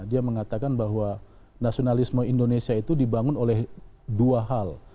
dia mengatakan bahwa nasionalisme indonesia itu dibangun oleh dua hal